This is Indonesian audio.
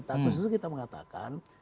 sebelumnya kita mengatakan